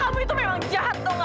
kamu itu memang jahat tau gak